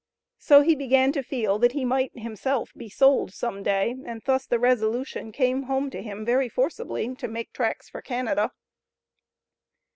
So he began to feel that he might himself be sold some day, and thus the resolution came home to him very forcibly to make tracks for Canada.